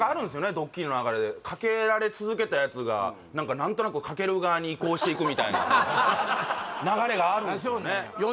ドッキリの流れでかけられ続けたやつが何か何となくかける側に移行していくみたいな流れがあるんですよね